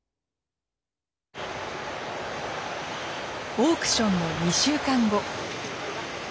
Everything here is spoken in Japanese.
オークションの２週間後。